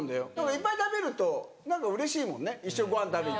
いっぱい食べるとうれしいもんね一緒にご飯食べ行って。